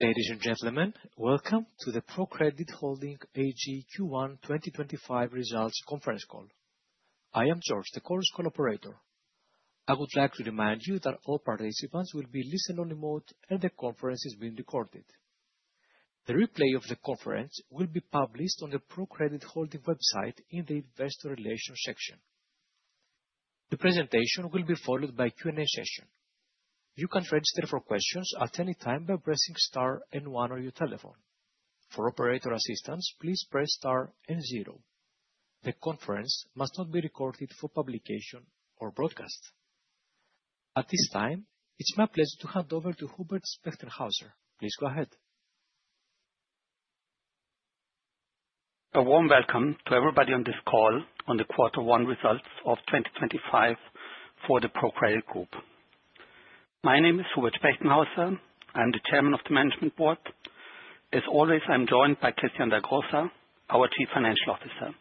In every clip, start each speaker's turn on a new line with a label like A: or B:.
A: Ladies and gentlemen, welcome to the ProCredit Holding AG Q1 2025 results conference call. I am George, the conference call operator. I would like to remind you that all participants will be listen only mode, and the conference is being recorded. The replay of the conference will be published on the ProCredit Holding website in the investor relations section. The presentation will be followed by Q&A session. You can register for questions at any time by pressing star and one on your telephone. For operator assistance, please press star and zero. The conference must not be recorded for publication or broadcast. At this time, it's my pleasure to hand over to Hubert Spechtenhauser. Please go ahead.
B: A warm welcome to everybody on this call on the quarter one results of 2025 for the ProCredit Group. My name is Hubert Spechtenhauser. I am the Chairman of the Management Board. As always, I am joined by Christian Dagrosa, our Chief Financial Officer.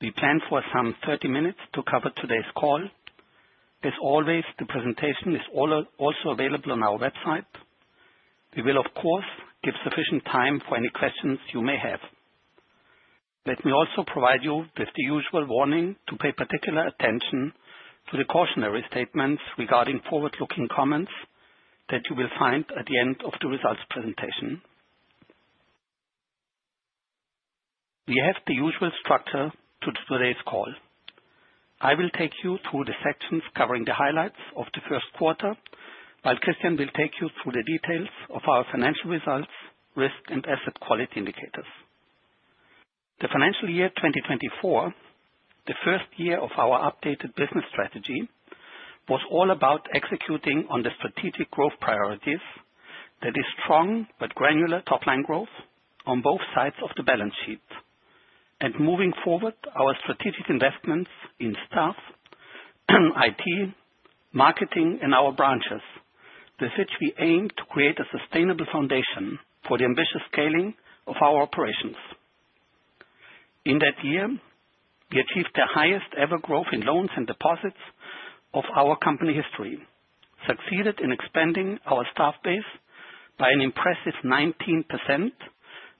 B: We plan for some 30 minutes to cover today's call. As always, the presentation is also available on our website. We will, of course, give sufficient time for any questions you may have. Let me also provide you with the usual warning to pay particular attention to the cautionary statements regarding forward-looking comments that you will find at the end of the results presentation. We have the usual structure to today's call. I will take you through the sections covering the highlights of the first quarter, while Christian will take you through the details of our financial results, risk, and asset quality indicators. The financial year 2024, the first year of our updated business strategy, was all about executing on the strategic growth priorities that is strong but granular top-line growth on both sides of the balance sheet. Moving forward, our strategic investments in staff, IT, marketing, and our branches. The sixth, we aim to create a sustainable foundation for the ambitious scaling of our operations. In that year, we achieved the highest ever growth in loans and deposits of our company history, succeeded in expanding our staff base by an impressive 19%,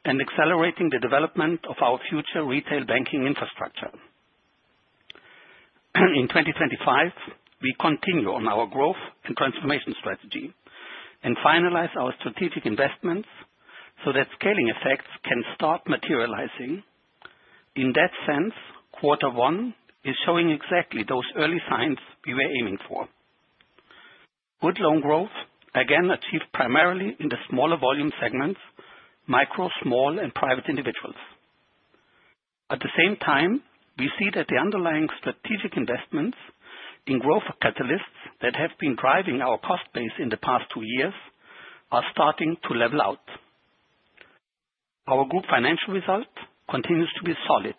B: and accelerating the development of our future retail banking infrastructure. In 2025, we continue on our growth and transformation strategy and finalize our strategic investments so that scaling effects can start materializing. In that sense, quarter one is showing exactly those early signs we were aiming for. Good loan growth, again, achieved primarily in the smaller volume segments, micro, small, and private individuals. At the same time, we see that the underlying strategic investments in growth catalysts that have been driving our cost base in the past two years are starting to level out. Our group financial result continues to be solid.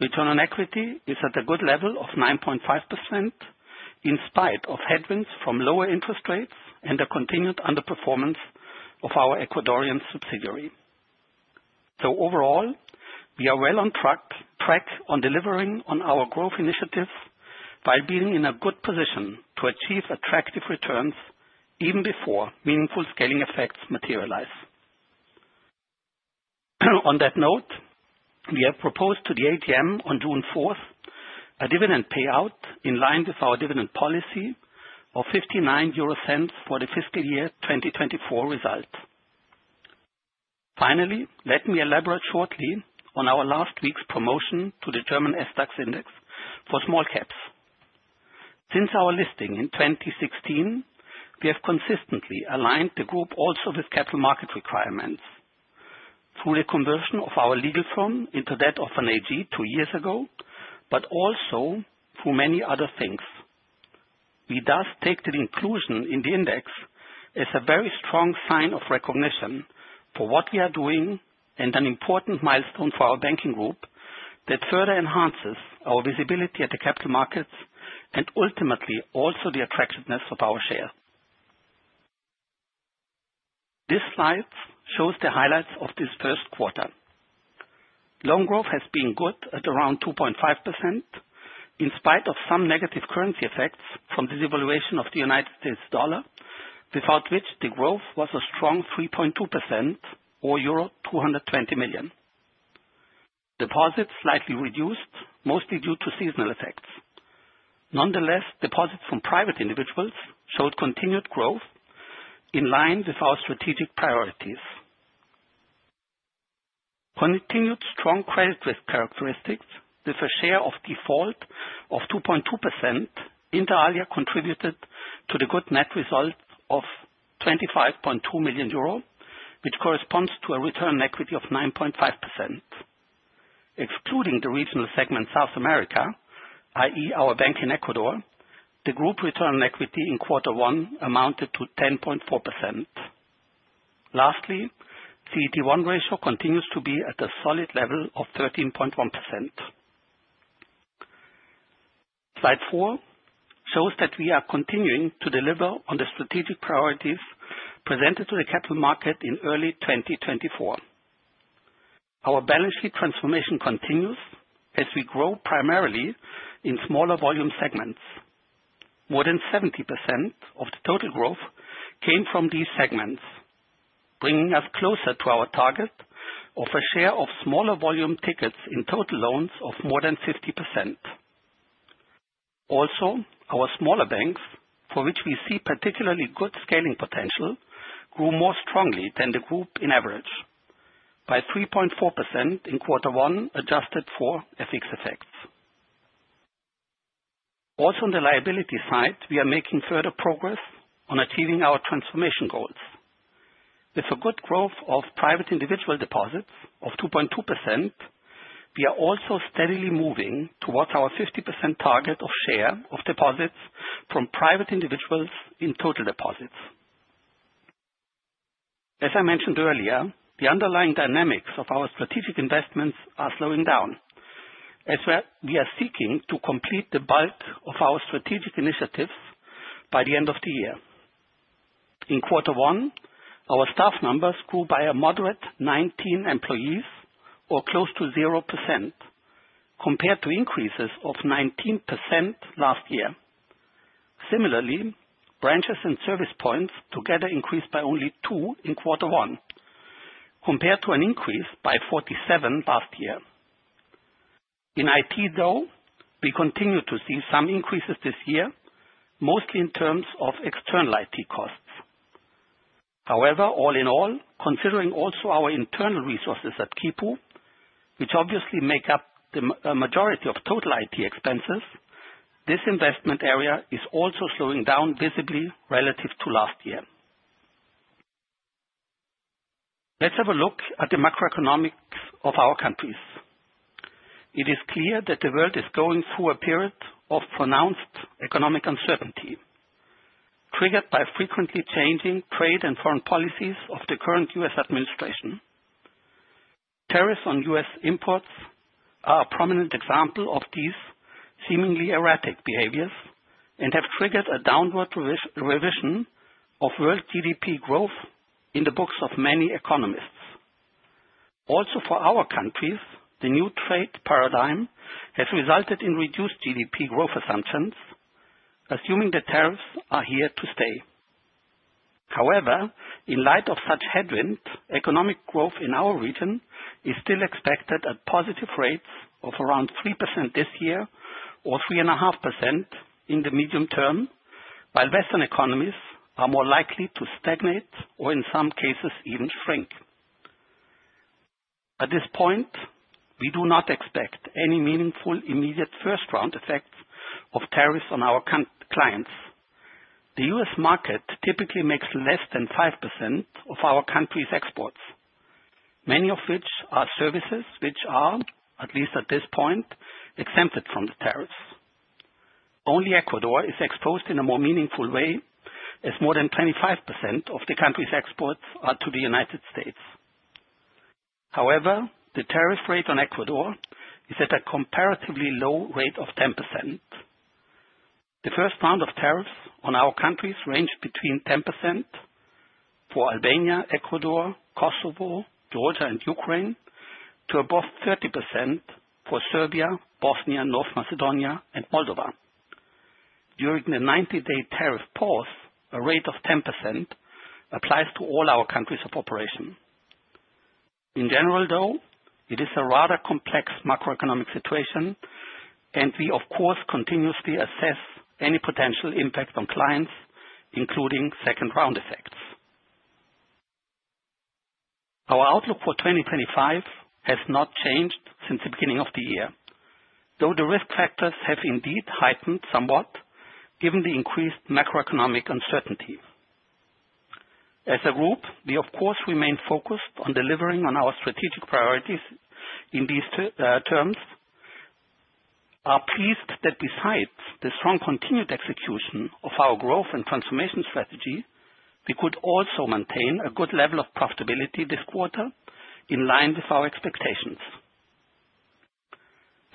B: Return on equity is at a good level of 9.5% in spite of headwinds from lower interest rates and a continued underperformance of our Ecuadorian subsidiary. Overall, we are well on track on delivering on our growth initiatives by being in a good position to achieve attractive returns even before meaningful scaling effects materialize. On that note, we have proposed to the AGM on June fourth, a dividend payout in line with our dividend policy of 0.59 for the fiscal year 2024 results. Finally, let me elaborate shortly on our last week's promotion to the German SDAX index for small caps. Since our listing in 2016, we have consistently aligned the group also with capital market requirements through the conversion of our legal firm into that of an AG two years ago, also through many other things. We thus take the inclusion in the index as a very strong sign of recognition for what we are doing and an important milestone for our banking group that further enhances our visibility at the capital markets and ultimately also the attractiveness of our share. This slide shows the highlights of this first quarter. Loan growth has been good at around 2.5% in spite of some negative currency effects from this evaluation of the U.S. dollar, without which the growth was a strong 3.2% or euro 220 million. Deposits slightly reduced, mostly due to seasonal effects. Nonetheless, deposits from private individuals showed continued growth in line with our strategic priorities. Continued strong credit risk characteristics with a share of default of 2.2% inter alia contributed to the good net result of 25.2 million euro, which corresponds to a return equity of 9.5%. Excluding the regional segment South America, i.e., our bank in Ecuador, the group return equity in quarter one amounted to 10.4%. Lastly, CET1 ratio continues to be at a solid level of 13.1%. Slide four shows that we are continuing to deliver on the strategic priorities presented to the capital market in early 2024. Our balance sheet transformation continues as we grow primarily in smaller volume segments. More than 70% of the total growth came from these segments, bringing us closer to our target of a share of smaller volume tickets in total loans of more than 50%. Our smaller banks, for which we see particularly good scaling potential, grew more strongly than the group in average, by 3.4% in quarter one, adjusted for FX effects. On the liability side, we are making further progress on achieving our transformation goals. With a good growth of private individual deposits of 2.2%, we are also steadily moving towards our 50% target of share of deposits from private individuals in total deposits. As I mentioned earlier, the underlying dynamics of our strategic investments are slowing down, as we are seeking to complete the bulk of our strategic initiatives by the end of the year. In quarter one, our staff numbers grew by a moderate 19 employees or close to 0%, compared to increases of 19% last year. Similarly, branches and service points together increased by only two in quarter one, compared to an increase by 47 last year. In IT, though, we continue to see some increases this year, mostly in terms of external IT costs. However, all in all, considering also our internal resources at Quipu, which obviously make up the majority of total IT expenses, this investment area is also slowing down visibly relative to last year. Let's have a look at the macroeconomics of our countries. It is clear that the world is going through a period of pronounced economic uncertainty, triggered by frequently changing trade and foreign policies of the current U.S. administration. Tariffs on U.S. imports are a prominent example of these seemingly erratic behaviors and have triggered a downward revision of world GDP growth in the books of many economists. Also, for our countries, the new trade paradigm has resulted in reduced GDP growth assumptions, assuming the tariffs are here to stay. However, in light of such headwind, economic growth in our region is still expected at positive rates of around 3% this year or 3.5% in the medium term, while Western economies are more likely to stagnate or in some cases even shrink. At this point, we do not expect any meaningful, immediate first-round effects of tariffs on our clients. The U.S. market typically makes less than 5% of our country's exports, many of which are services which are, at least at this point, exempted from the tariffs. Only Ecuador is exposed in a more meaningful way, as more than 25% of the country's exports are to the United States. However, the tariff rate on Ecuador is at a comparatively low rate of 10%. The first round of tariffs on our countries range between 10% for Albania, Ecuador, Kosovo, Georgia, and Ukraine, to above 30% for Serbia, Bosnia, North Macedonia, and Moldova. During the 90-day tariff pause, a rate of 10% applies to all our countries of operation. In general, though, it is a rather complex macroeconomic situation, and we, of course, continuously assess any potential impact on clients, including second-round effects. Our outlook for 2025 has not changed since the beginning of the year, though the risk factors have indeed heightened somewhat given the increased macroeconomic uncertainty. As a group, we, of course, remain focused on delivering on our strategic priorities in these terms. We are pleased that besides the strong continued execution of our growth and transformation strategy, we could also maintain a good level of profitability this quarter in line with our expectations.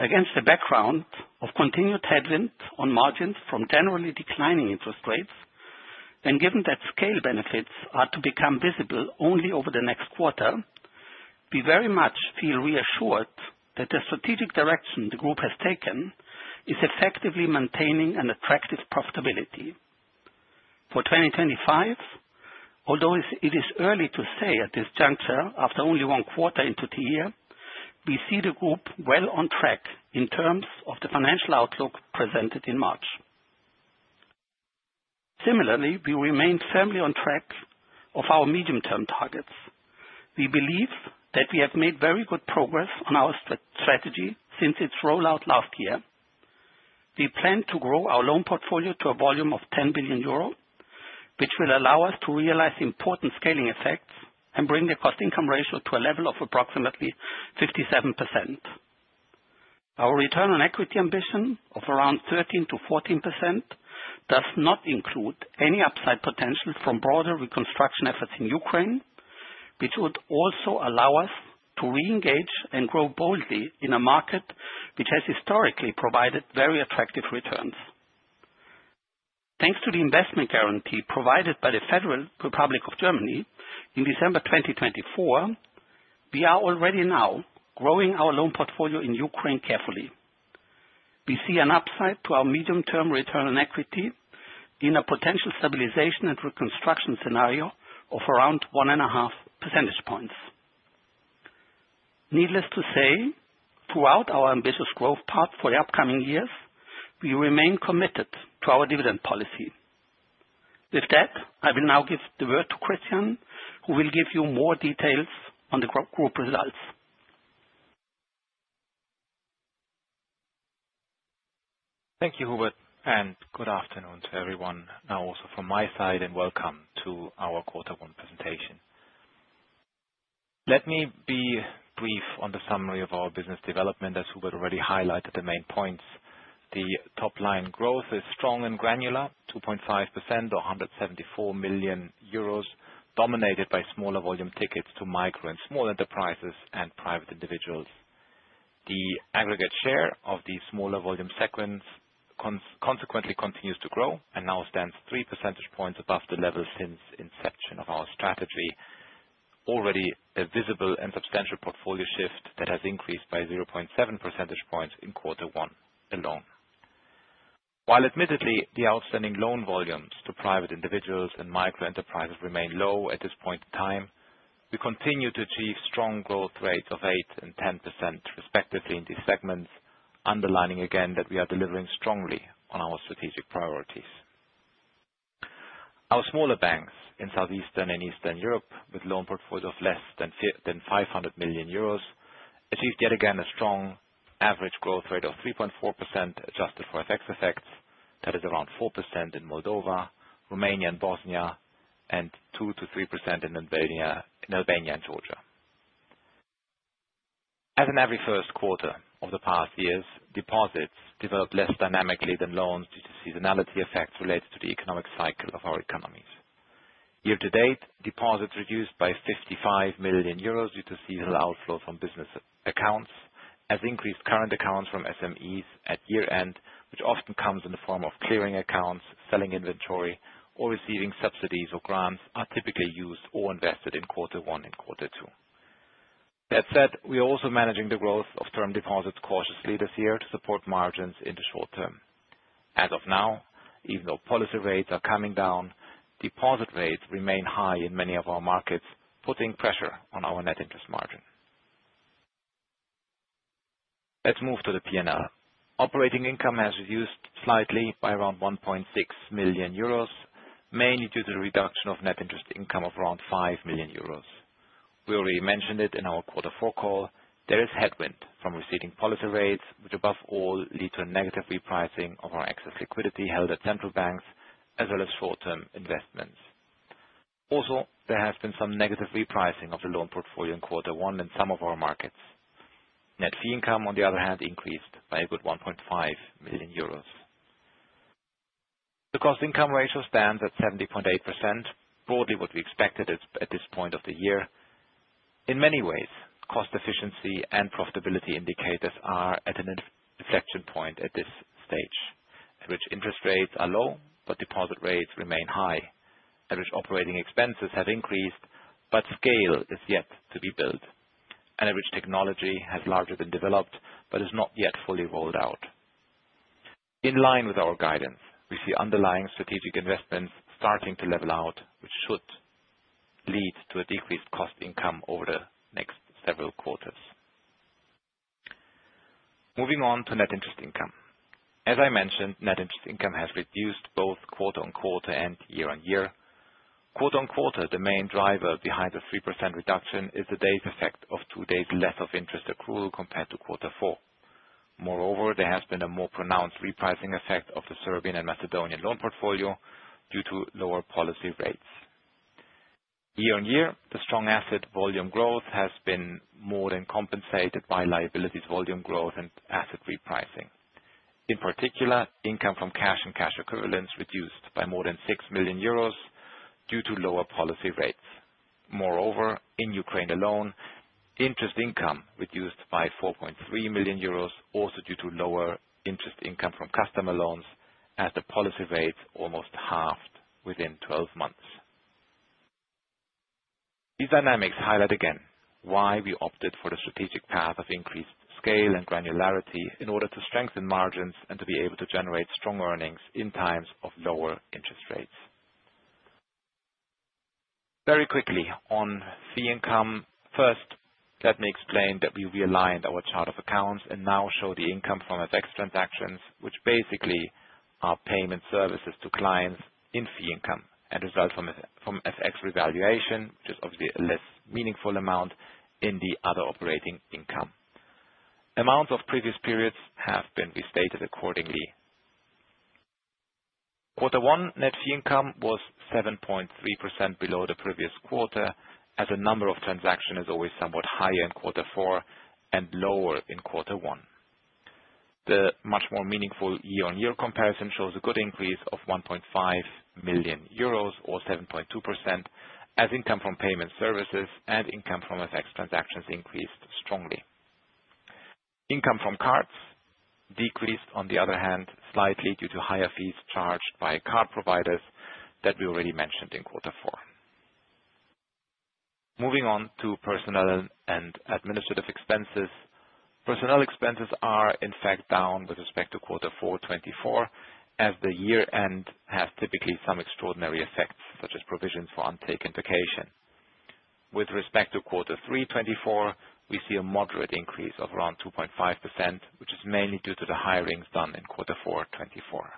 B: Against the background of continued headwind on margins from generally declining interest rates, and given that scale benefits are to become visible only over the next quarter, we very much feel reassured that the strategic direction the group has taken is effectively maintaining an attractive profitability. For 2025, although it is early to say at this juncture after only quarter one into the year, we see the group well on track in terms of the financial outlook presented in March. Similarly, we remain firmly on track of our medium-term targets. We believe that we have made very good progress on our strategy since its rollout last year. We plan to grow our loan portfolio to a volume of 10 billion euro, which will allow us to realize important scaling effects and bring the cost-income ratio to a level of approximately 57%. Our return on equity ambition of around 13%-14% does not include any upside potential from broader reconstruction efforts in Ukraine, which would also allow us to re-engage and grow boldly in a market which has historically provided very attractive returns. Thanks to the investment guarantee provided by the Federal Republic of Germany in December 2024, we are already now growing our loan portfolio in Ukraine carefully. We see an upside to our medium-term return on equity in a potential stabilization and reconstruction scenario of around one and a half percentage points. Needless to say, throughout our ambitious growth path for the upcoming years, we remain committed to our dividend policy. With that, I will now give the word to Christian, who will give you more details on the group results.
C: Thank you, Hubert. Good afternoon to everyone now also from my side, and welcome to our Quarter One presentation. Let me be brief on the summary of our business development, as Hubert already highlighted the main points. The top-line growth is strong and granular, 2.5% or 174 million euros, dominated by smaller volume tickets to micro and small enterprises and private individuals. The aggregate share of the smaller volume segments consequently continues to grow and now stands three percentage points above the level since inception of our strategy. Already a visible and substantial portfolio shift that has increased by 0.7 percentage points in Quarter One alone. While admittedly, the outstanding loan volumes to private individuals and micro-enterprises remain low at this point in time, we continue to achieve strong growth rates of 8% and 10% respectively in these segments, underlining again that we are delivering strongly on our strategic priorities. Our smaller banks in Southeastern and Eastern Europe with loan portfolios of less than 500 million euros, achieved yet again a strong average growth rate of 3.4% adjusted for FX effects. That is around 4% in Moldova, Romania, and Bosnia, and 2%-3% in Albania and Georgia. As in every first quarter of the past years, deposits developed less dynamically than loans due to seasonality effects related to the economic cycle of our economies. Year-to-date, deposits reduced by 55 million euros due to seasonal outflow from business accounts, as increased current accounts from SMEs at year-end, which often comes in the form of clearing accounts, selling inventory or receiving subsidies or grants, are typically used or invested in Quarter One and Quarter Two. That said, we are also managing the growth of term deposits cautiously this year to support margins in the short term. As of now, even though policy rates are coming down, deposit rates remain high in many of our markets, putting pressure on our net interest margin. Let's move to the P&L. Operating income has reduced slightly by around 1.6 million euros, mainly due to the reduction of net interest income of around 5 million euros. We already mentioned it in our quarter four call. There is headwind from receding policy rates, which above all lead to a negative repricing of our excess liquidity held at central banks as well as short-term investments. Also, there has been some negative repricing of the loan portfolio in Quarter One in some of our markets. Net fee income, on the other hand, increased by a good 1.5 million euros. The cost-income ratio stands at 70.8%, broadly what we expected at this point of the year. In many ways, cost efficiency and profitability indicators are at an inflection point at this stage, at which interest rates are low but deposit rates remain high, at which operating expenses have increased, but scale is yet to be built, and at which technology has largely been developed but is not yet fully rolled out. In line with our guidance, we see underlying strategic investments starting to level out, which should lead to a decreased cost income over the next several quarters. Moving on to net interest income. As I mentioned, net interest income has reduced both quarter-on-quarter and year-on-year. Quarter-on-quarter, the main driver behind the 3% reduction is the days effect of 2 days less of interest accrual compared to Quarter Four. Moreover, there has been a more pronounced repricing effect of the Serbian and Macedonian loan portfolio due to lower policy rates. Year-on-year, the strong asset volume growth has been more than compensated by liabilities volume growth and asset repricing. In particular, income from cash and cash equivalents reduced by more than 6 million euros due to lower policy rates. Moreover, in Ukraine alone, interest income reduced by 4.3 million euros, also due to lower interest income from customer loans as the policy rates almost halved within 12 months. These dynamics highlight again why we opted for the strategic path of increased scale and granularity in order to strengthen margins and to be able to generate strong earnings in times of lower interest rates. Very quickly on fee income. First, let me explain that we realigned our chart of accounts and now show the income from FX transactions, which basically are payment services to clients in fee income and result from FX revaluation, which is obviously a less meaningful amount in the other operating income. Amounts of previous periods have been restated accordingly. Quarter One net fee income was 7.3% below the previous quarter, as the number of transactions is always somewhat higher in Quarter Four and lower in Quarter One. The much more meaningful year-on-year comparison shows a good increase of 1.5 million euros or 7.2% as income from payment services and income from FX transactions increased strongly. Income from cards decreased, on the other hand, slightly due to higher fees charged by card providers that we already mentioned in quarter four. Moving on to personnel and administrative expenses. Personnel expenses are in fact down with respect to quarter four 2024, as the year-end has typically some extraordinary effects, such as provisions for untaken vacation. With respect to quarter three 2024, we see a moderate increase of around 2.5%, which is mainly due to the hirings done in quarter four 2024.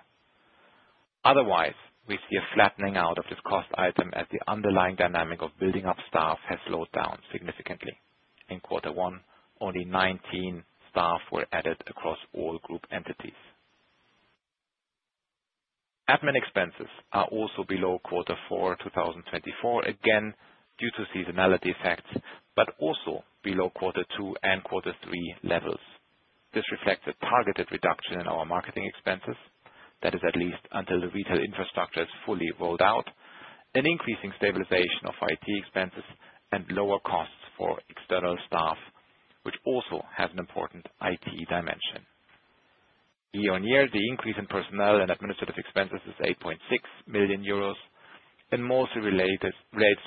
C: Otherwise, we see a flattening out of this cost item as the underlying dynamic of building up staff has slowed down significantly. In quarter one, only 19 staff were added across all group entities. Admin expenses are also below quarter four 2024, again, due to seasonality effects, but also below quarter two and quarter three levels. This reflects a targeted reduction in our marketing expenses. That is, at least, until the retail infrastructure is fully rolled out, an increasing stabilization of IT expenses, and lower costs for external staff, which also has an important IT dimension. Year-on-year, the increase in personnel and administrative expenses is 8.6 million euros and mostly relates to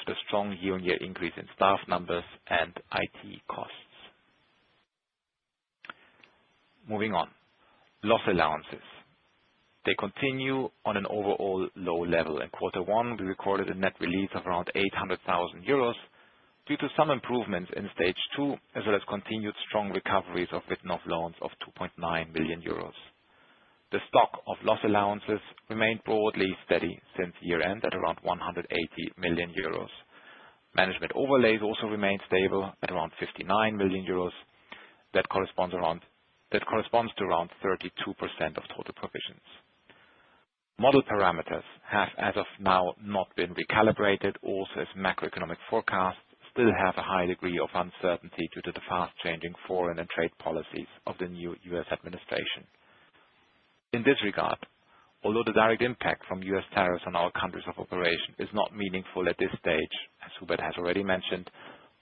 C: the strong year-on-year increase in staff numbers and IT costs. Moving on. Loss allowances. They continue on an overall low level. In quarter one, we recorded a net release of around 800,000 euros due to some improvements in stage two, as well as continued strong recoveries of written-off loans of 2.9 million euros. The stock of loss allowances remained broadly steady since year-end, at around 180 million euros. Management overlays also remained stable at around 59 million euros. That corresponds to around 32% of total provisions. Model parameters have, as of now, not been recalibrated, also as macroeconomic forecasts still have a high degree of uncertainty due to the fast-changing foreign and trade policies of the new U.S. administration. In this regard, although the direct impact from U.S. tariffs on our countries of operation is not meaningful at this stage, as Hubert has already mentioned,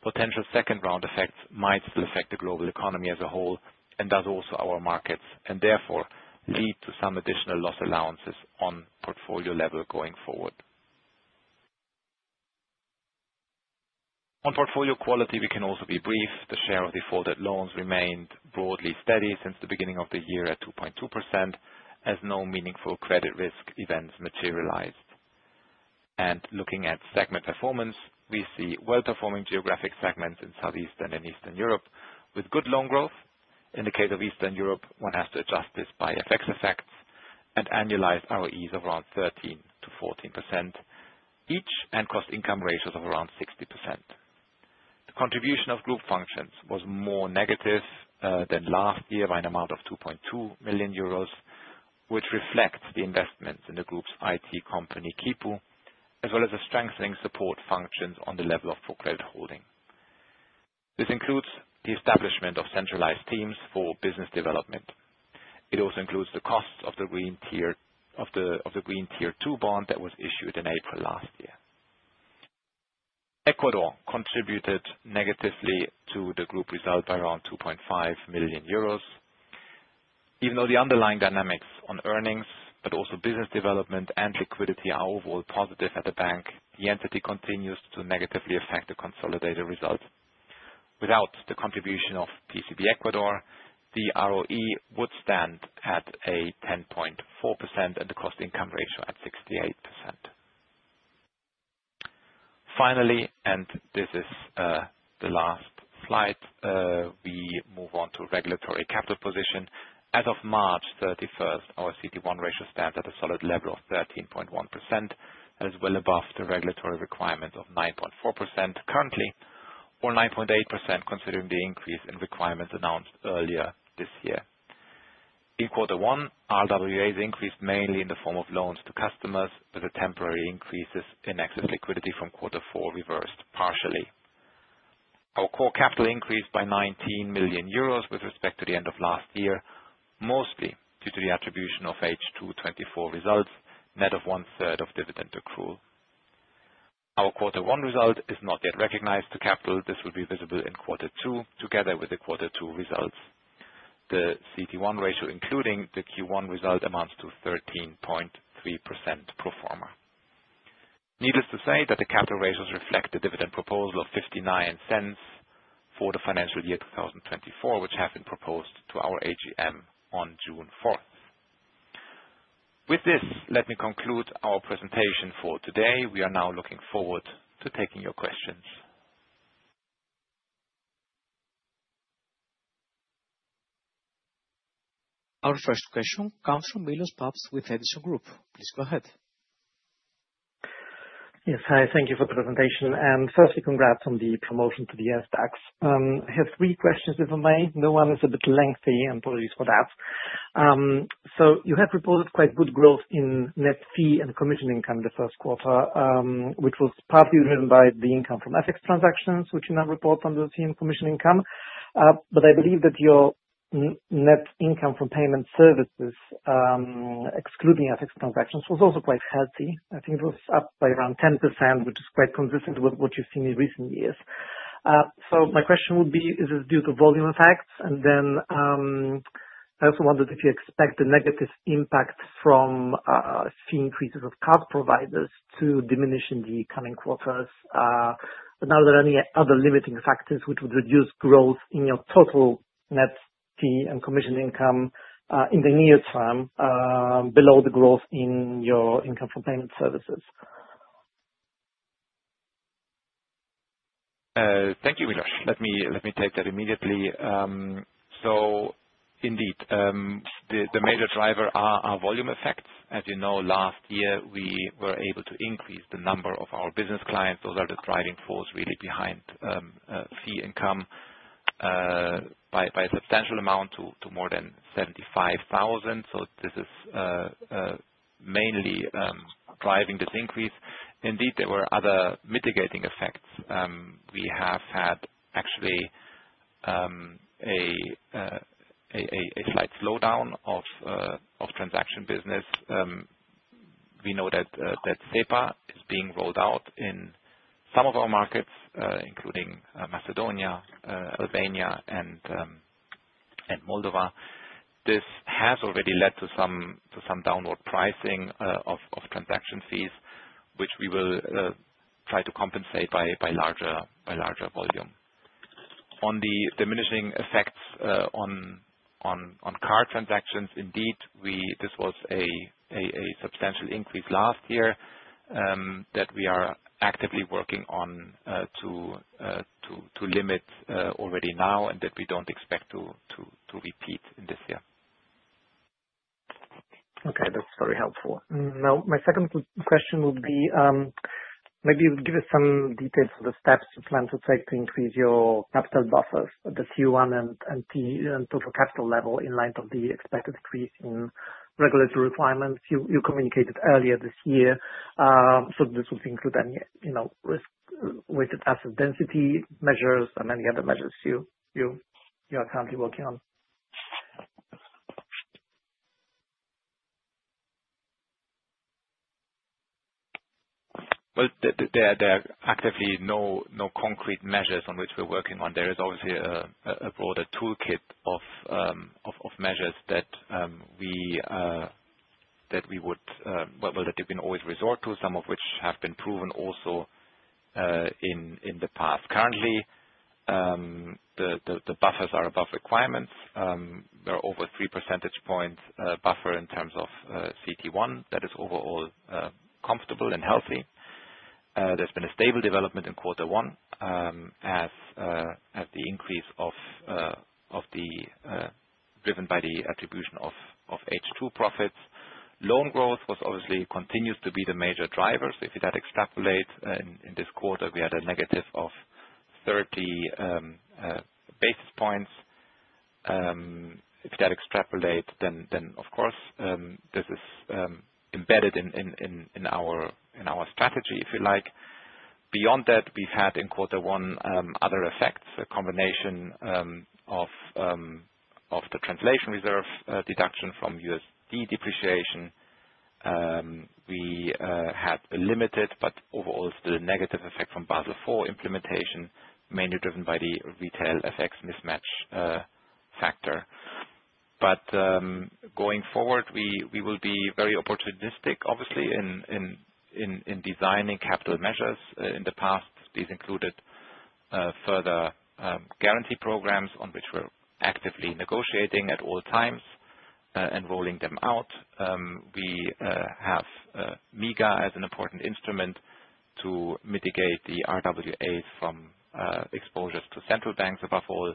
C: potential second-round effects might still affect the global economy as a whole, and thus also our markets, and therefore lead to some additional loss allowances on portfolio level going forward. On portfolio quality, we can also be brief. The share of defaulted loans remained broadly steady since the beginning of the year at 2.2%, as no meaningful credit risk events materialized. Looking at segment performance, we see well-performing geographic segments in Southeast and in Eastern Europe, with good loan growth. In the case of Eastern Europe, one has to adjust this by FX effects and annualized ROEs of around 13%-14% each, and cost-income ratios of around 60%. The contribution of group functions was more negative than last year by an amount of 2.2 million euros, which reflects the investments in the group's IT company, Quipu, as well as the strengthening support functions on the level of ProCredit Holding. This includes the establishment of centralized teams for business development. It also includes the cost of the green Tier two bond that was issued in April last year. Ecuador contributed negatively to the group result by around 2.5 million euros. Even though the underlying dynamics on earnings, but also business development and liquidity, are overall positive at the bank, the entity continues to negatively affect the consolidated results. Without the contribution of PCB Ecuador, the ROE would stand at a 10.4% and the cost-income ratio at 68%. Finally, this is the last slide, we move on to regulatory capital position. As of March 31st, our CT1 ratio stands at a solid level of 13.1%, as well above the regulatory requirement of 9.4% currently or 9.8% considering the increase in requirements announced earlier this year. In quarter one, RWAs increased mainly in the form of loans to customers, as the temporary increases in excess liquidity from quarter four reversed partially. Our core capital increased by 19 million euros with respect to the end of last year, mostly due to the attribution of H2 2024 results, net of one-third of dividend accrual. Our quarter one result is not yet recognized to capital. This will be visible in quarter two together with the quarter two results. The CT1 ratio, including the Q1 result, amounts to 13.3% pro forma. Needless to say that the capital ratios reflect the dividend proposal of 0.59 for the FY 2024, which have been proposed to our AGM on June 4th. With this, let me conclude our presentation for today. We are now looking forward to taking your questions.
A: Our first question comes from Milosz Papst with Edison Group. Please go ahead.
D: Yes. Hi, thank you for the presentation. Firstly, congrats on the promotion to the SDAX. I have three questions, if I may. No. 1 is a bit lengthy. Apologies for that. You have reported quite good growth in net fee and commission income the first quarter, which was partly driven by the income from FX transactions, which you now report under fee and commission income. I believe that your net income from payment services, excluding FX transactions, was also quite healthy. I think it was up by around 10%, which is quite consistent with what you've seen in recent years. My question would be, is this due to volume effects? I also wondered if you expect a negative impact from fee increases of card providers to diminish in the coming quarters. Are there any other limiting factors which would reduce growth in your total net fee and commission income in the near term below the growth in your income from payment services?
C: Thank you, Milosz. Let me take that immediately. Indeed, the major driver are our volume effects. As you know, last year, we were able to increase the number of our business clients. Those are the driving force really behind fee income by a substantial amount to more than 75,000. This is mainly driving this increase. Indeed, there were other mitigating effects. We have had actually a slight slowdown of transaction business. We know that SEPA is being rolled out in some of our markets, including Macedonia, Albania, and Moldova. This has already led to some downward pricing of transaction fees, which we will try to compensate by larger volume. On the diminishing effects on card transactions, indeed, this was a substantial increase last year that we are actively working on to limit already now and that we don't expect to repeat this year.
D: Okay. That's very helpful. Now, my second question would be, maybe you could give us some details of the steps you plan to take to increase your capital buffers, the CET1 and total capital level in light of the expected increase in regulatory requirements you communicated earlier this year. This would include any weighted asset density measures and any other measures you are currently working on.
C: Well, there are actively no concrete measures on which we're working on. There is obviously a broader toolkit of measures that you can always resort to, some of which have been proven also in the past. Currently, the buffers are above requirements. There are over three percentage points buffer in terms of CET1 that is overall comfortable and healthy. There's been a stable development in quarter one as the increase of the given by the attribution of H2 profits. Loan growth obviously continues to be the major driver. If you had to extrapolate, in this quarter, we had a negative of 30 basis points. If you had to extrapolate, of course, this is embedded in our strategy, if you like. Beyond that, we've had in quarter one other effects, a combination of the translation reserve deduction from USD depreciation. We had a limited, but overall still a negative effect from Basel IV implementation, mainly driven by the retail exposures mismatch factor. Going forward, we will be very opportunistic, obviously, in designing capital measures. In the past, these included further guarantee programs on which we're actively negotiating at all times and rolling them out. We have MIGA as an important instrument to mitigate the RWA from exposures to central banks above all.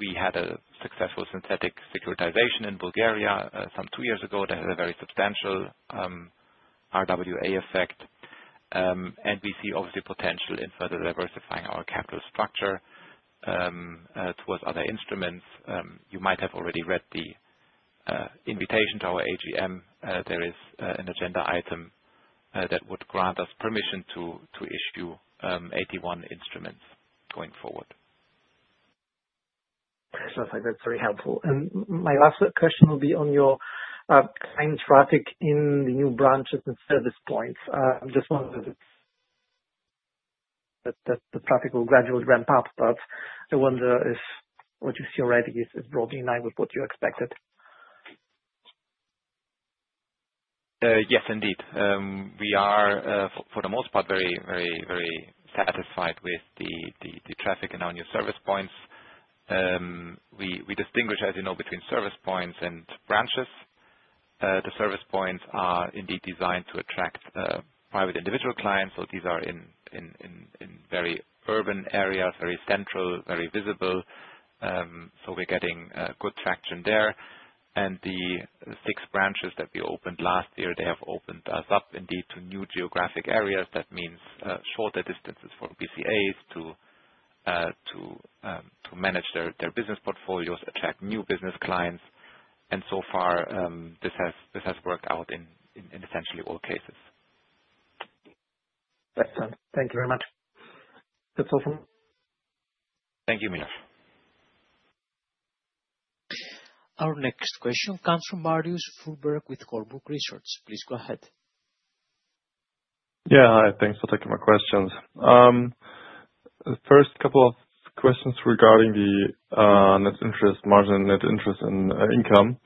C: We had a successful synthetic securitization in Bulgaria some two years ago that had a very substantial RWA effect. We see obviously potential in further diversifying our capital structure towards other instruments. You might have already read the invitation to our AGM. There is an agenda item that would grant us permission to issue AT1 instruments going forward.
D: Sounds like that's very helpful. My last question will be on your client traffic in the new branches and service points. I'm just wondering if the traffic will gradually ramp up, but I wonder if what you see already is broadly in line with what you expected.
C: Yes, indeed. We are, for the most part, very satisfied with the traffic in our new service points. We distinguish, as you know, between service points and branches. The service points are indeed designed to attract private individual clients. These are in very urban areas, very central, very visible. We're getting good traction there. The six branches that we opened last year, they have opened us up indeed to new geographic areas. That means shorter distances for BCAs to manage their business portfolios, attract new business clients. So far, this has worked out in essentially all cases.
D: Excellent. Thank you very much. That's all from me.
C: Thank you, Milosz.
A: Our next question comes from Marius Fuhrberg with Warburg Research. Please go ahead.
E: Yeah. Thanks for taking my questions. The first couple of questions regarding the net interest margin, net interest and income.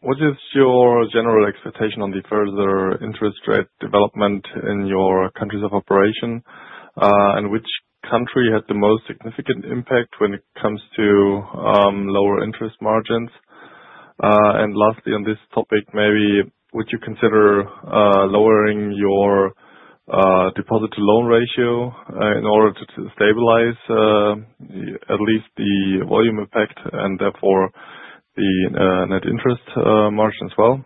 E: What is your general expectation on the further interest rate development in your countries of operation? Which country had the most significant impact when it comes to lower interest margins? Lastly on this topic, maybe would you consider lowering your deposit to loan ratio in order to stabilize at least the volume effect and therefore the net interest margin as well?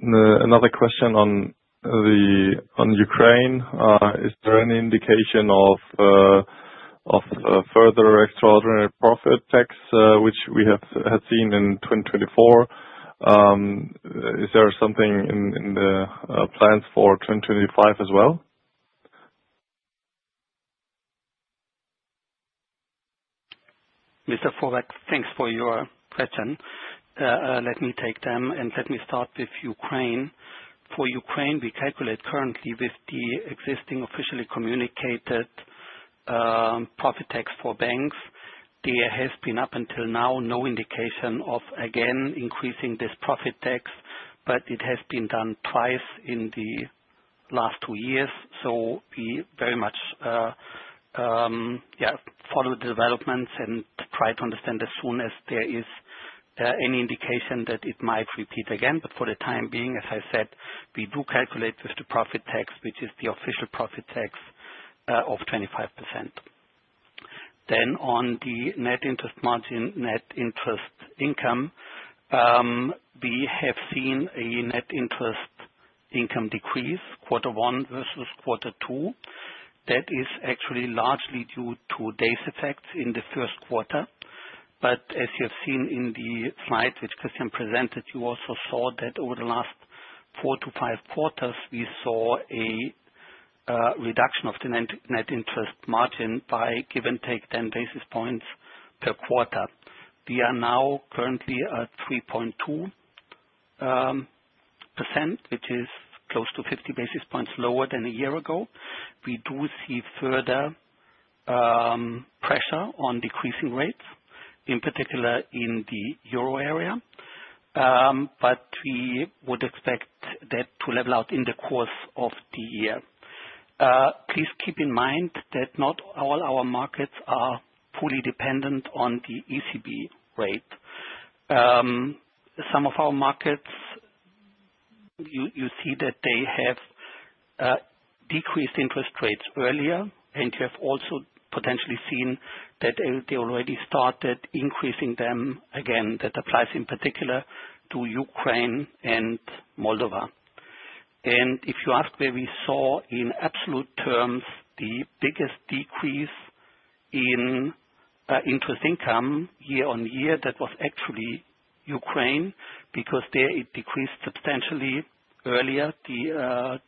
E: Another question on Ukraine. Is there any indication of further extraordinary profit tax, which we have seen in 2024? Is there something in the plans for 2025 as well?
B: Mr. Fuhrberg, thanks for your question. Let me take them, let me start with Ukraine. For Ukraine, we calculate currently with the existing officially communicated profit tax for banks. There has been up until now no indication of, again, increasing this profit tax, it has been done twice in the last two years. We very much follow the developments and try to understand as soon as there is any indication that it might repeat again. For the time being, as I said, we do calculate with the profit tax, which is the official profit tax of 25%. On the net interest margin, net interest income, we have seen a net interest income decrease quarter one versus quarter two. That is actually largely due to days effects in the first quarter. As you have seen in the slide which Christian presented, you also saw that over the last four to five quarters, we saw a reduction of the net interest margin by give and take 10 basis points per quarter. We are now currently at 3.2%, which is close to 50 basis points lower than a year ago. We do see further pressure on decreasing rates, in particular in the euro area. We would expect that to level out in the course of the year. Please keep in mind that not all our markets are fully dependent on the ECB rate. Some of our markets, you see that they have decreased interest rates earlier, you have also potentially seen that they already started increasing them again. That applies in particular to Ukraine and Moldova. If you ask where we saw, in absolute terms, the biggest decrease in interest income year-on-year, that was actually Ukraine, because there it decreased substantially earlier. The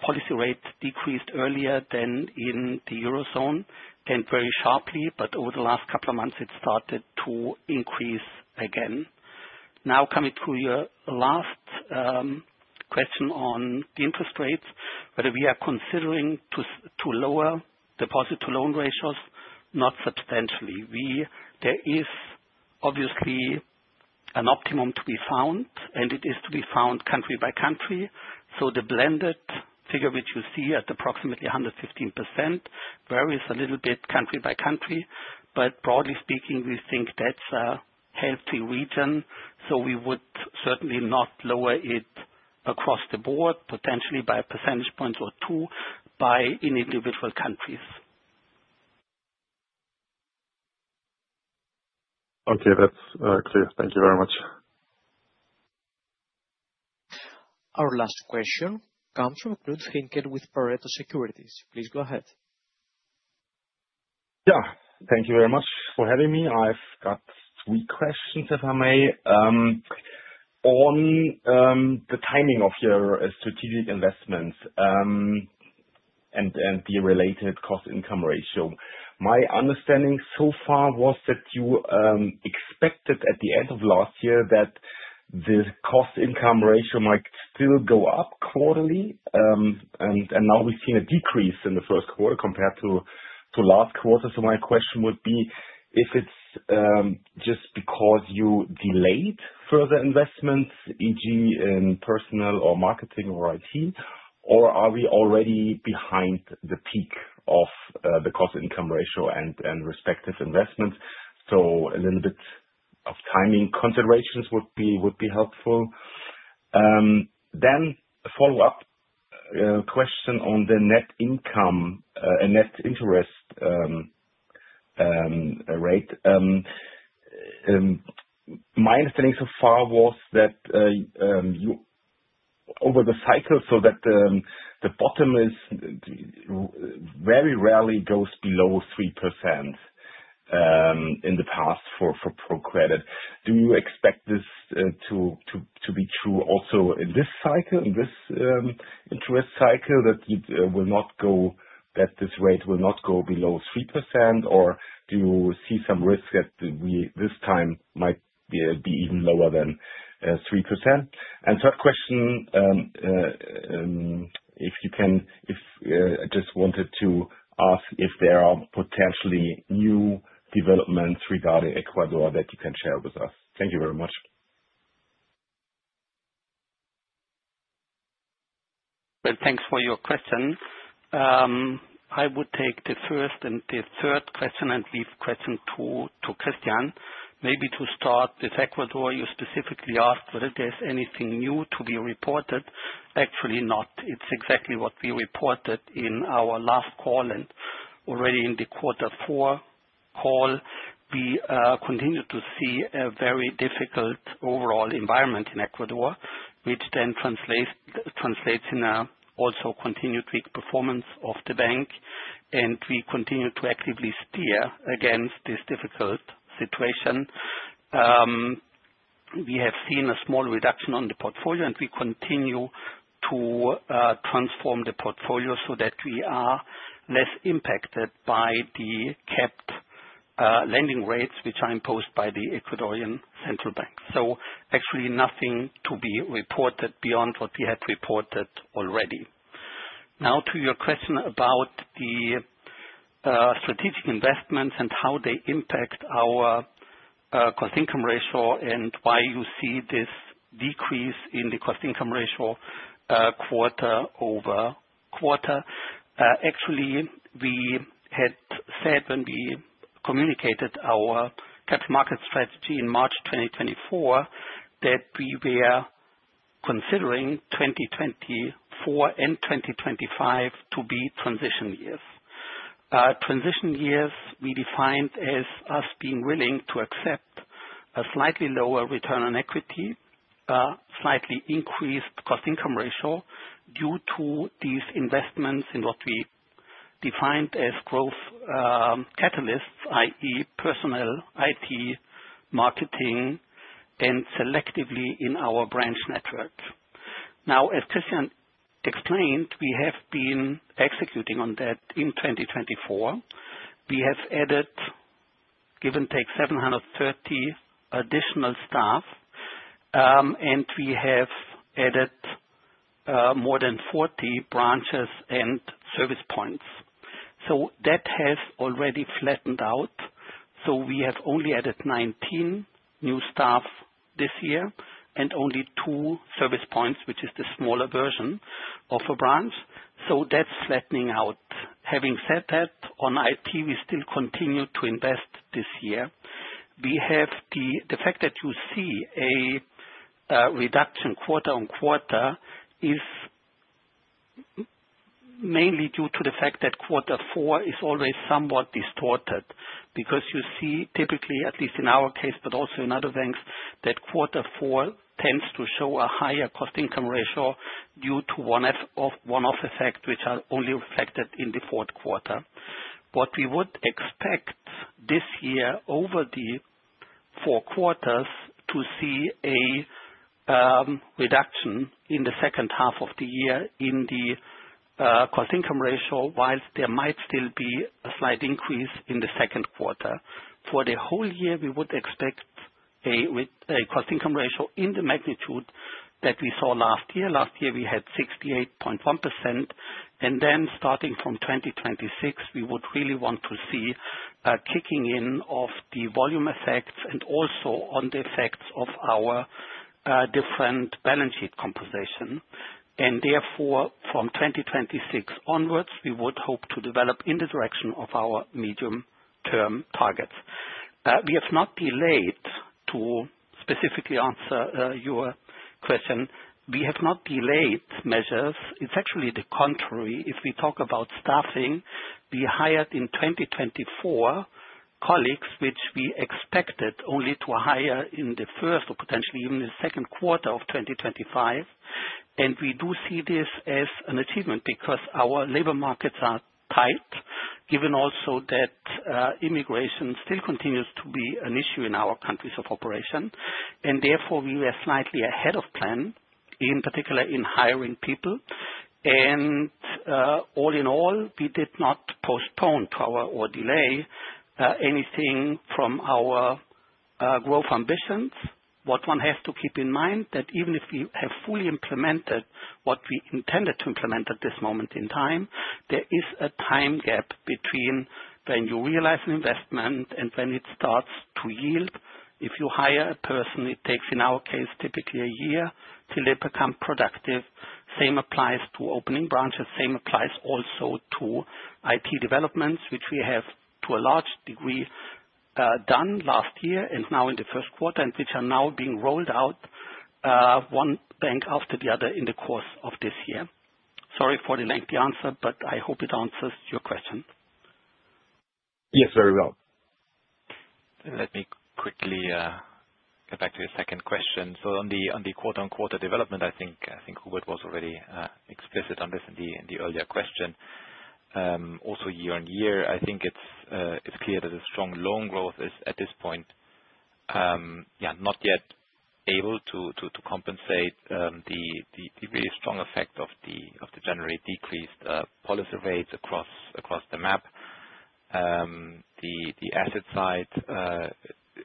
B: policy rate decreased earlier than in the Eurozone and very sharply. Over the last couple of months, it started to increase again. Coming to your last question on the interest rates, whether we are considering to lower deposit to loan ratios, not substantially. There is obviously an optimum to be found, and it is to be found country by country. The blended figure which you see at approximately 115% varies a little bit country by country. Broadly speaking, we think that's a healthy region. We would certainly not lower it across the board, potentially by a percentage point or two in individual countries.
E: Okay. That's clear. Thank you very much.
A: Our last question comes from Knut Henkel with Pareto Securities. Please go ahead.
F: Thank you very much for having me. I've got three questions, if I may. On the timing of your strategic investments, and the related cost-income ratio. My understanding so far was that you expected at the end of last year that the cost-income ratio might still go up quarterly. Now we've seen a decrease in the first quarter compared to last quarter. My question would be if it's just because you delayed further investments, e.g., in personal or marketing or IT, or are we already behind the peak of the cost-income ratio and respective investments? A little bit of timing considerations would be helpful. A follow-up question on the net income, net interest margin. My understanding so far was that you over the cycle so that the bottom very rarely goes below 3% in the past for ProCredit. Do you expect this to be true also in this interest cycle, that this rate will not go below 3%, or do you see some risk that this time might be even lower than 3%? Third question, I just wanted to ask if there are potentially new developments regarding Ecuador that you can share with us. Thank you very much.
B: Well, thanks for your question. I would take the first and the third question and leave question two to Christian. Maybe to start with Ecuador, you specifically asked whether there is anything new to be reported. Actually not. It is exactly what we reported in our last call and already in the quarter four call. We continue to see a very difficult overall environment in Ecuador, which then translates in a also continued weak performance of the bank, and we continue to actively steer against this difficult situation. We have seen a small reduction on the portfolio, and we continue to transform the portfolio so that we are less impacted by the capped lending rates, which are imposed by the Ecuadorian central bank. Actually nothing to be reported beyond what we had reported already. To your question about the strategic investments and how they impact our cost-income ratio and why you see this decrease in the cost-income ratio quarter-over-quarter. Actually, we had said when we communicated our capital market strategy in March 2024, that we were considering 2024 and 2025 to be transition years. Transition years we defined as us being willing to accept a slightly lower return on equity, slightly increased cost-income ratio due to these investments in what we defined as growth catalysts, i.e. personal IT, marketing, and selectively in our branch networks. As Christian explained, we have been executing on that in 2024. We have added, give and take, 730 additional staff, and we have added more than 40 branches and service points. That has already flattened out. We have only added 19 new staff this year and only two service points, which is the smaller version of a branch. That is flattening out. Having said that, on IT, we still continue to invest this year. The fact that you see a reduction quarter-on-quarter is mainly due to the fact that quarter four is always somewhat distorted, because you see typically, at least in our case, but also in other banks, that quarter four tends to show a higher cost-income ratio due to one-off effect, which are only reflected in the fourth quarter. What we would expect this year over the four quarters to see a reduction in the second half of the year in the cost-income ratio, whilst there might still be a slight increase in the second quarter. For the whole year, we would expect a cost-income ratio in the magnitude that we saw last year. Last year, we had 68.1%. Starting from 2026, we would really want to see a kicking in of the volume effects and also on the effects of our different balance sheet composition. Therefore, from 2026 onwards, we would hope to develop in the direction of our medium-term targets. To specifically answer your question, we have not delayed measures. It's actually the contrary. If we talk about staffing, we hired in 2024, colleagues which we expected only to hire in the first or potentially even the second quarter of 2025. We do see this as an achievement because our labor markets are tight, given also that immigration still continues to be an issue in our countries of operation. Therefore, we were slightly ahead of plan, in particular in hiring people. All in all, we did not postpone or delay anything from our growth ambitions. What one has to keep in mind, that even if we have fully implemented what we intended to implement at this moment in time, there is a time gap between when you realize an investment and when it starts to yield. If you hire a person, it takes, in our case, typically a year till they become productive. Same applies to opening branches, same applies also to IT developments, which we have to a large degree done last year and now in the first quarter, and which are now being rolled out one bank after the other in the course of this year. Sorry for the lengthy answer, I hope it answers your question. Yes, very well.
C: Let me quickly go back to your second question. On the quote-unquote development, I think Hubert was already explicit on this in the earlier question. Also year-on-year, I think it's clear that a strong loan growth is at this point not yet able to compensate the really strong effect of the generally decreased policy rates across the map. The asset side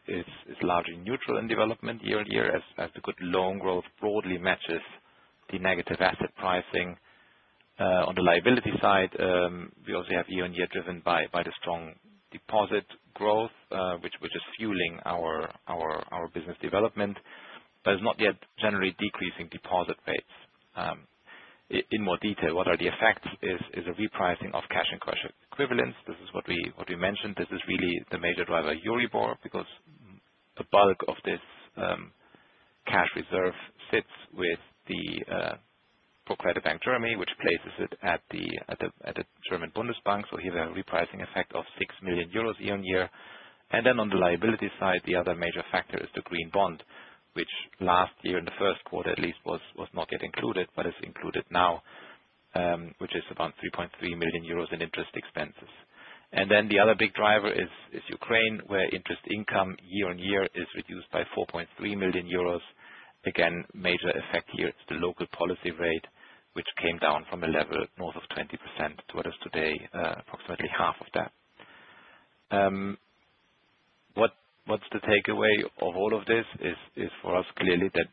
C: is largely neutral in development year-on-year as the good loan growth broadly matches the negative asset pricing. On the liability side, we also have year-on-year driven by the strong deposit growth, which is fueling our business development, but is not yet generally decreasing deposit rates. In more detail, what are the effects is a repricing of cash and cash equivalents. This is what we mentioned. This is really the major driver, Euribor, because the bulk of this cash reserve sits with the ProCredit Bank Germany, which places it at the Deutsche Bundesbank. Here's a repricing effect of 6 million euros year-on-year. On the liability side, the other major factor is the green bond, which last year in the first quarter at least was not yet included, but is included now, which is about 3.3 million euros in interest expenses. The other big driver is Ukraine, where interest income year-on-year is reduced by 4.3 million euros. Again, major effect here. It's the local policy rate, which came down from a level north of 20% to what is today approximately half of that. What's the takeaway of all of this is for us clearly that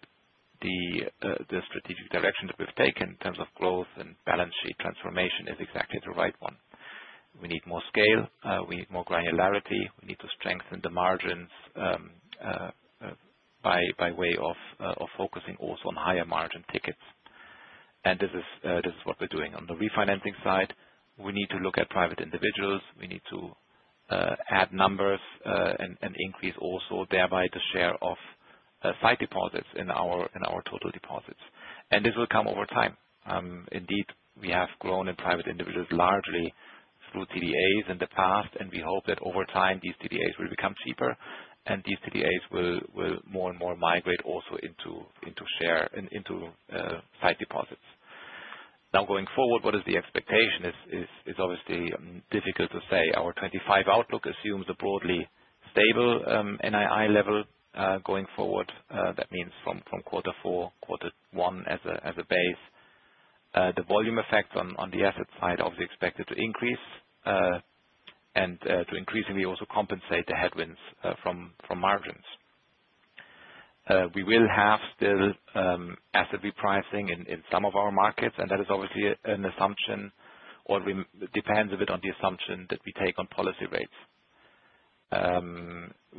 C: the strategic direction that we've taken in terms of growth and balance sheet transformation is exactly the right one. We need more scale. We need more granularity. We need to strengthen the margins by way of focusing also on higher margin tickets. This is what we're doing. On the refinancing side, we need to look at private individuals. We need to add numbers, and increase also thereby the share of sight deposits in our total deposits. This will come over time. Indeed, we have grown in private individuals largely through CDAs in the past. We hope that over time these CDAs will become cheaper and these CDAs will more and more migrate also into share, into sight deposits. Going forward, what is the expectation is obviously difficult to say. Our 2025 outlook assumes a broadly stable NII level going forward. That means from quarter four, quarter one as a base. The volume effect on the asset side obviously expected to increase, and to increasingly also compensate the headwinds from margins. We will have still asset repricing in some of our markets, and that is obviously an assumption or depends a bit on the assumption that we take on policy rates.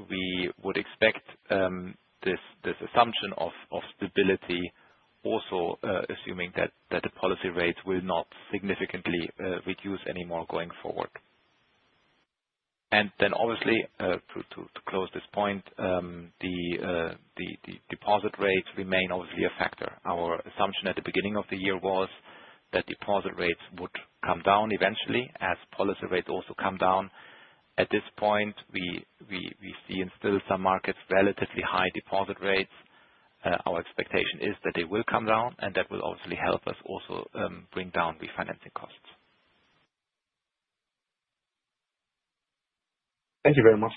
C: We would expect this assumption of stability also assuming that the policy rates will not significantly reduce any more going forward. Obviously, to close this point, the deposit rates remain obviously a factor. Our assumption at the beginning of the year was that deposit rates would come down eventually as policy rates also come down. At this point, we see in still some markets relatively high deposit rates. Our expectation is that they will come down, and that will obviously help us also bring down refinancing costs.
B: Thank you very much.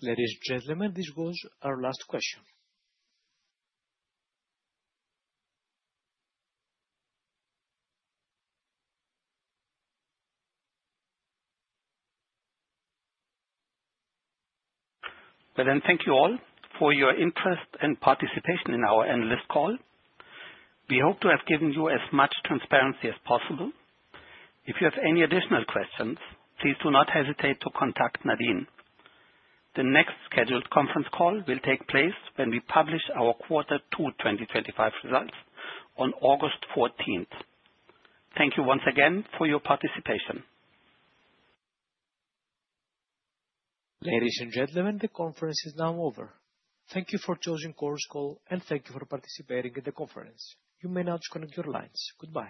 A: Ladies and gentlemen, this was our last question.
B: Well thank you all for your interest and participation in our analyst call. We hope to have given you as much transparency as possible. If you have any additional questions, please do not hesitate to contact Nadine. The next scheduled conference call will take place when we publish our quarter two 2025 results on August 14th. Thank you once again for your participation.
A: Ladies and gentlemen, the conference is now over. Thank you for choosing Chorus Call, and thank you for participating in the conference. You may now disconnect your lines. Goodbye.